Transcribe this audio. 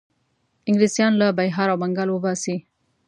انګلیسیان له بیهار او بنګال وباسي.